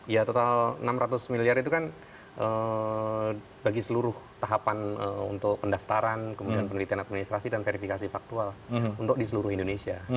ya total enam ratus miliar itu kan bagi seluruh tahapan untuk pendaftaran kemudian penelitian administrasi dan verifikasi faktual untuk di seluruh indonesia